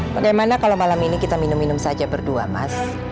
bagaimana kalau malam ini kita minum minum saja berdua mas